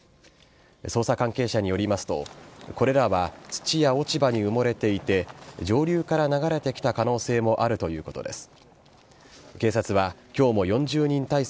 捜査関係者によりますとこれらは土や落ち葉に埋もれていて上流から流れてきた可能性もあるということです。